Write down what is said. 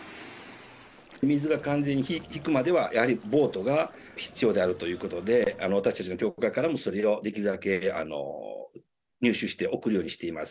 水が完全に引くまでは、やはりボートが必要であるということで、私たちの教会からも、それをできるだけ入手して送るようにしています。